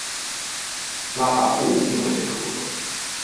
拉跋布并未被处死。